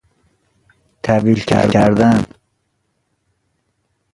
طویل کردن